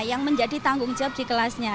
yang menjadi tanggung jawab di kelasnya